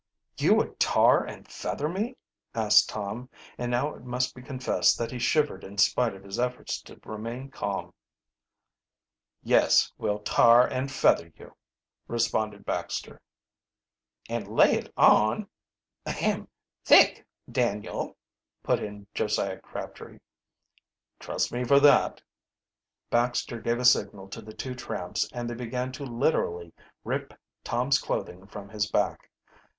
"You would tar and feather me?" asked Tom, and now it must be confessed that he shivered in spite of his efforts to remain calm. "Yes, we'll tar and feather you," responded Baxter. "And lay it on ahem thick, Daniel," put in Josiah Crabtree. "Trust me for that." Baxter gave a signal to the two tramps and they began to literally rip Tom's clothing from his back.